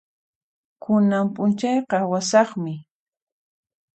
Kunan p'unchayqa awasaqmi.